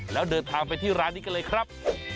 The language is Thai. แล้วเดินทางไปที่ร้านนี้กันเลยครับ